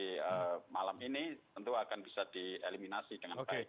jadi malam ini tentu akan bisa dieliminasi dengan baik